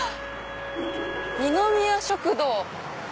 「二宮食堂」。